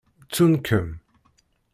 Ttun-kem.